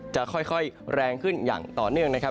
จะค่อยแรงขึ้นอย่างต่อเนื่องนะครับ